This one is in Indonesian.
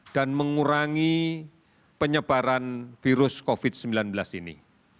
dan mengurangi penyebaran virus covid sembilan belas ini